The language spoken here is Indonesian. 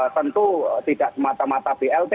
tentu tidak semata mata blt